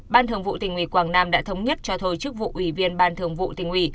ban thường vụ tỉnh ủy quảng nam đã thống nhất cho thôi chức vụ ủy viên ban thường vụ tỉnh ủy